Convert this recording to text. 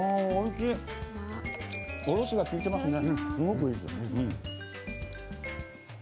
おろしが利いてますね。